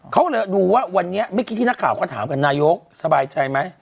เขาดูว่าวันนี้ไม่คิดที่นักข่าวก็ถามกับนายโยกสบายใจไหม